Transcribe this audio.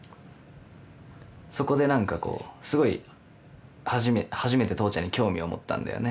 そこで何かこうすごい初めて初めて父ちゃんに興味を持ったんだよね。